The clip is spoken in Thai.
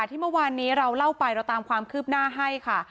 ที่เมื่อวานนี้เราเล่าไปเราตามความคืบหน้าให้ค่ะ